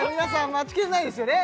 待ちきれないですよね